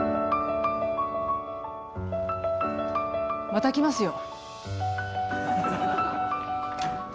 また来ますよ。